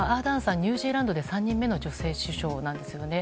ニュージーランドで３人目の女性首相なんですよね。